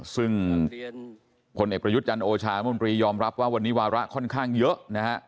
ซึ่งผลเอกประยุทธ์จันทร์โอชามนตรียอมรับว่าวันนี้วาระค่อนข้างเยอะนะฮะ